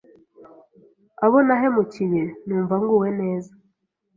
abo nahemukiye numva nguwe neza,